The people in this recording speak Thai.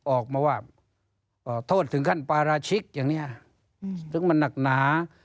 ออกมาว่าโทษถึงขั้นปราชิกอย่างนี้ซึ่งมันหนักหนา